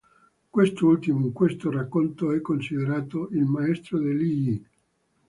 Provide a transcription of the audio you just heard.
Quest'ultimo in questo racconto è considerato il maestro di Li Yi.